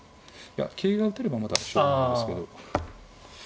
いや桂が打てればまだ勝負なんですけど。